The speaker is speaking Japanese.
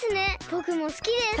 ぼくもすきです。